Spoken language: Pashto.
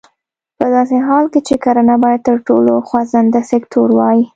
په داسې حال کې چې کرنه باید تر ټولو خوځنده سکتور وای.